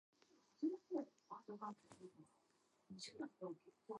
One can regard all of them as teleological to a greater or lesser degree.